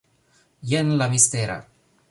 Jen la mistera...